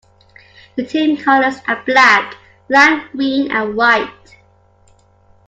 The team colors are black, lime green and white.